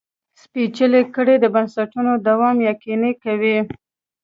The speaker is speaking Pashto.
سپېڅلې کړۍ د بنسټونو دوام یقیني کوي.